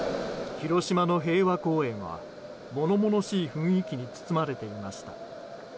広島の平和公園は物々しい雰囲気に包まれていました。